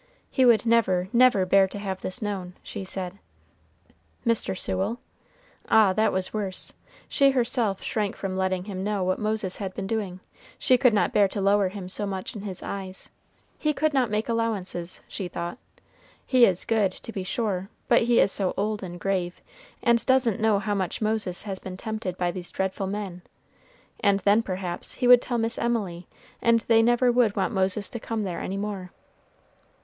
"He would never, never bear to have this known," she said. Mr. Sewell? ah, that was worse. She herself shrank from letting him know what Moses had been doing; she could not bear to lower him so much in his eyes. He could not make allowances, she thought. He is good, to be sure, but he is so old and grave, and doesn't know how much Moses has been tempted by these dreadful men; and then perhaps he would tell Miss Emily, and they never would want Moses to come there any more.